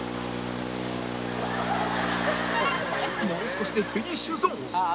もう少しでフィニッシュゾーン！